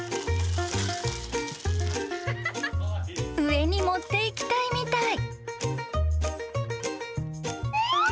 ［上に持っていきたいみたい］